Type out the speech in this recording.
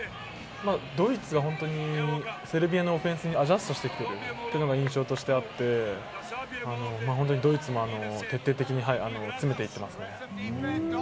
ドイツが本当にセルビアのオフェンスにアジャストしてきているのが印象としてあって、ドイツも徹底的に詰めてってますね。